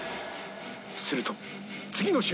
すると次の瞬間！